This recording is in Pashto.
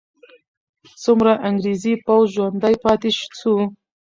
څومره انګریزي پوځ ژوندی پاتې سو؟